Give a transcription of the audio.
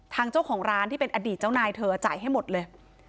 ทางเจ้าของร้านที่เป็นอดีตเจ้านายเธอจ่ายให้หมดเลย